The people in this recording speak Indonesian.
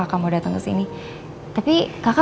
aku mainlandnya jatuh cua